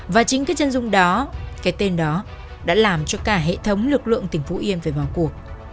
và chính cái chân dung đó cái tên đó đã làm cho cả hệ thống lực lượng tỉnh phú yên phải vào cuộc